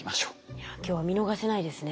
いや今日は見逃せないですね。